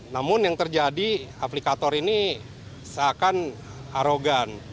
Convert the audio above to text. namun yang terjadi aplikator ini seakan arogan